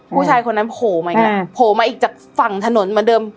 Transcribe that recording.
ผู้ชายคนนั้นโผล่มาอีกแล้วโผล่มาอีกจากฝั่งถนนเหมือนเดิม